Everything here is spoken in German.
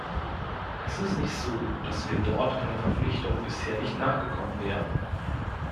Es ist nicht so, dass wir dort einer Verpflichtung bisher nicht nachgekommen wären.